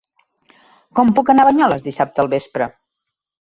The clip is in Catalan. Com puc anar a Banyoles dissabte al vespre?